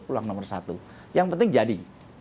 pulang nomor satu yang penting jadi